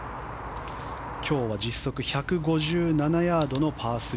今日は実測１５７ヤードのパー３。